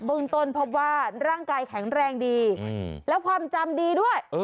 เมืองต้นพบว่าร่างกายแข็งแรงดีแล้วความจำดีด้วย